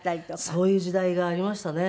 そういう時代がありましたね。